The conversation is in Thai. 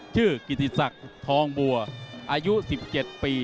กิติศักดิ์ทองบัวอายุ๑๗ปี